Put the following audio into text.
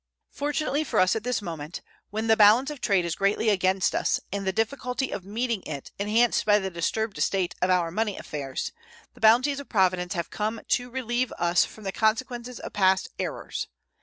Fortunately for us at this moment, when the balance of trade is greatly against us and the difficulty of meeting it enhanced by the disturbed state of our money affairs, the bounties of Providence have come to relieve us from the consequences of past errors.